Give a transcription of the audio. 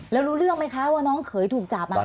และรู้เรื่องมั้ยคะว่าน้องเขยถูกจับมา